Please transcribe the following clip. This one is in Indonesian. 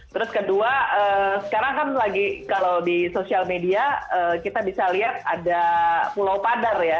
terus kedua sekarang kan lagi kalau di sosial media kita bisa lihat ada pulau padar ya